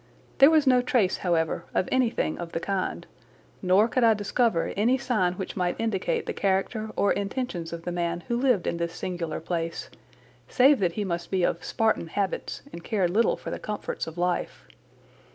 There was no trace, however, of anything of the kind, nor could I discover any sign which might indicate the character or intentions of the man who lived in this singular place, save that he must be of Spartan habits and cared little for the comforts of life.